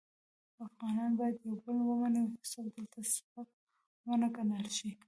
افغانان باید یو بل ومني او هیڅوک دلته سپک و نه ګڼل شي.